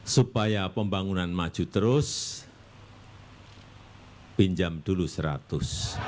supaya pembangunan maju terus pinjam dulu seratus